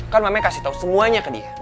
kan mama kasih tahu semuanya ke dia